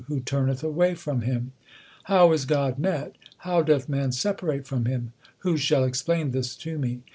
Who turneth away from him ? How is God met ? How doth man separate from Him ? Who shall explain this to me